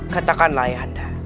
katakanlah ayah anda